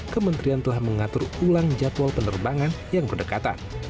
kementerian telah mengatur ulang jadwal penerbangan yang berdekatan